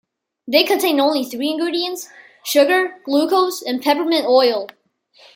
They contain only three ingredients: sugar, glucose, and peppermint oil.